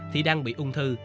thì đang bị ung thư